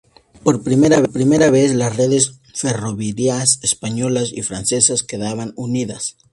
Por primera vez, las redes ferroviarias españolas y francesas quedaban unidas.